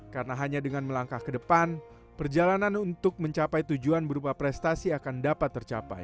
karena hanya dengan melangkah ke depan perjalanan untuk mencapai tujuan berupa prestasi akan dapat tercapai